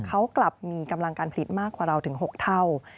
เขากลับมีกำลังการผลิตมากกว่าเราถึง๖เท่า